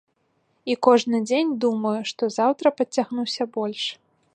І кожны дзень думаю, што заўтра падцягнуся больш.